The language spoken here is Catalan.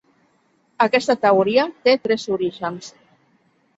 Aquesta teoria té tres orígens.